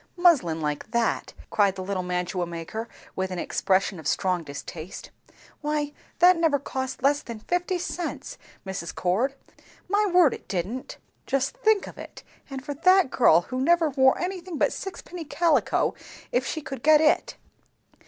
"Muslin like that!" cried the little mantua maker with an expression of strong distaste. "Why that never cost less than fifty cents, Mrs. Cord! My word, it didn't." "Just think of it! And for that girl, who never wore anything but sixpenny calico if she could get it.